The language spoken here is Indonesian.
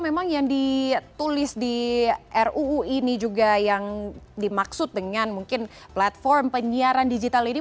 memang yang ditulis di ruu ini juga yang dimaksud dengan mungkin platform penyiaran digital ini